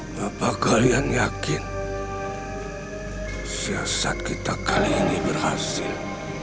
bapak kalian yakin siasat kita kali ini berhasil